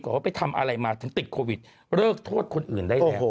ว่าไปทำอะไรมาถึงติดโควิดเลิกโทษคนอื่นได้แล้ว